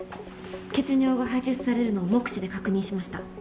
血尿が排出されるのを目視で確認しました。